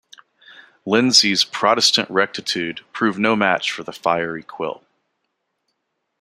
Lindsay's "Protestant rectitude" proved no match for the "fiery" Quill.